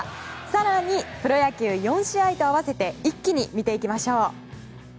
更にプロ野球試合と併せて一気に見ていきましょう。